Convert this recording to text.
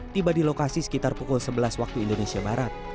tiba di lokasi sekitar pukul sebelas waktu indonesia barat